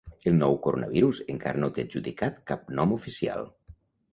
El nou coronavirus encara no té adjudicat cap nom oficial